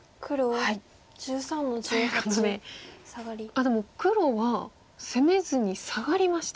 あっでも黒は攻めずにサガりました。